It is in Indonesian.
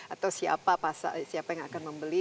atau siapa yang akan membeli